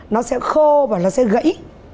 nó sẽ khô và nó sẽ gãy